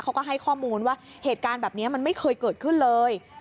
เขาก็ให้ข้อมูลว่าเหตุการณ์แบบนี้มันไม่เคยเกิดขึ้นเลย